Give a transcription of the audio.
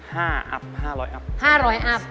แต่ประมาณ๕อัพ๕๐๐อัพ